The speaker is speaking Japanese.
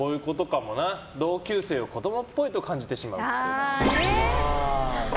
同級生を子供っぽいと感じてしまうっぽい。